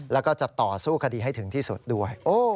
แล้วก็จะต่อสู้คดีให้ถึงที่สุดด้วย